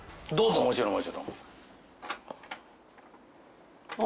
もちろんもちろん。